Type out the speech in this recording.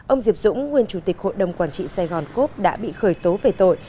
ông diệp dũng nguyên chủ tịch hội đồng quản trị sài gòn cốp đã bị khởi tố về tội